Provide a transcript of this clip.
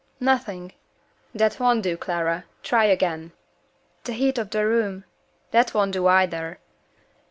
"Nothing." "That won't do, Clara. Try again." "The heat of the room " "That won't do, either.